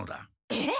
えっ？